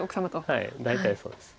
はい大体そうです。